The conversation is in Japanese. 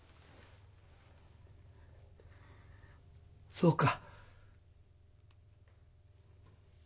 そうか。